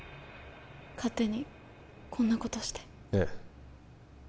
勝手にこんなことしてええ